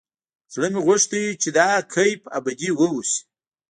زړه مې غوښت چې دا کيف ابدي واوسي.